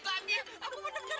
apa bener bener kurang akhir